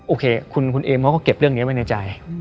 โอเคคุณเอมเขาก็เก็บเรื่องนี้ไว้ในใจ